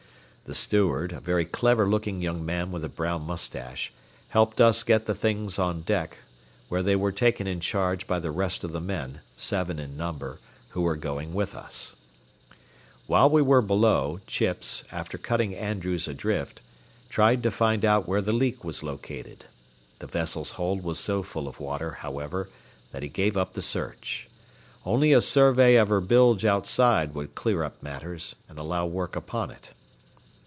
The steward, a very clever looking young man with a brown mustache, helped us get the things on deck, where they were taken in charge by the rest of the men, seven in number, who were going with us. While we were below, Chips, after cutting Andrews adrift, tried to find out where the leak was located. The vessel's hold was so full of water, however, that he gave up the search. Only a survey of her bilge outside would help clear up matters, and allow work upon it.